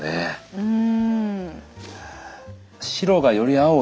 うん。